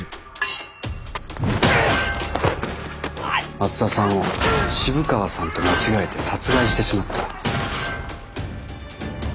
松田さんを渋川さんと間違えて殺害してしまった。